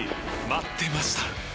待ってました！